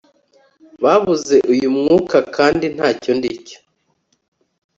Babuze uyu mwuka kandi ntacyo ndi cyo